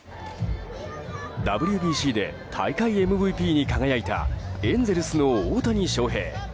ＷＢＣで大会ＭＶＰに輝いたエンゼルスの大谷翔平。